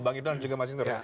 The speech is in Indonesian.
bang idlan juga masih ntar